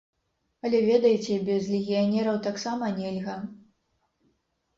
Але ведаеце, без легіянераў таксама нельга.